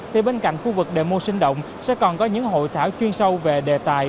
thì bên cạnh khu vực demo sinh động sẽ còn có những hội thảo chuyên sâu về đề tài